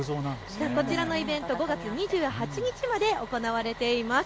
こちらのイベント５月２８日まで行われています。